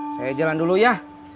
saya jalan dulu ya